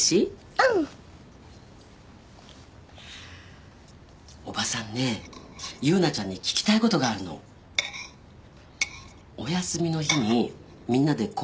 うんおばさんね優奈ちゃんに聞きたいことがあるのお休みの日にみんなで公園に行ったよね